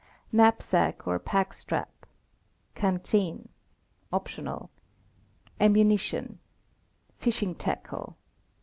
Knapsack, or pack strap. Canteen (?). Ammunition. Fishing tackle.